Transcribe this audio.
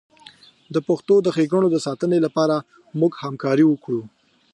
د پښتو د ښیګڼو د ساتنې لپاره موږ همکاري وکړو.